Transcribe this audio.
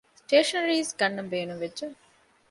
ސްޓޭޝަނަރީޒް ގަންނަން ބޭނުންވެއްޖެ